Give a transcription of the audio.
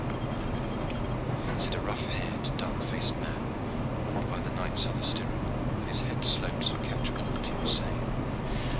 "My lord," said a rough haired, dark faced man, who walked by the knight's other stirrup, with his head sloped to catch all that he was saying.